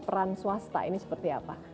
peran swasta ini seperti apa